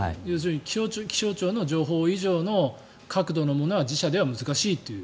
気象庁の情報以上の確度のものは自社では難しいという。